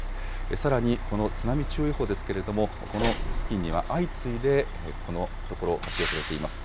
さらにこの津波注意報ですけれども、この付近には相次いでこのところ、発表されています。